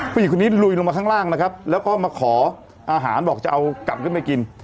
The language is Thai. ผู้หญิงคนนี้ลุยลงมาข้างล่างนะครับแล้วก็มาขออาหารบอกจะเอากลับขึ้นไปกิน